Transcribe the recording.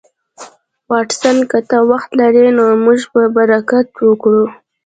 واټسن که ته وخت لرې نو موږ به حرکت وکړو